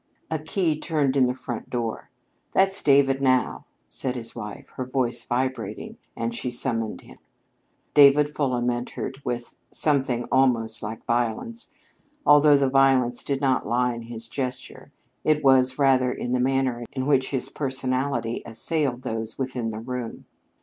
A key turned in the front door. "There's David now," said his wife, her voice vibrating, and she summoned him. David Fulham entered with something almost like violence, although the violence did not lie in his gestures. It was rather in the manner in which his personality assailed those within the room.